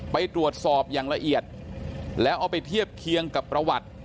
ไปตรวจสอบอย่างละเอียดแล้วเอาไปเทียบเคียงกับประวัติ